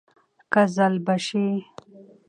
قـــزلــباشــــــــــي